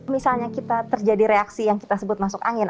misalnya kita terjadi reaksi yang kita sebut masuk angin